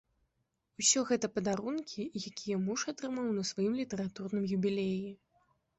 Усё гэта падарункі, якія муж атрымаў на сваім літаратурным юбілеі.